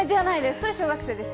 それ小学生です。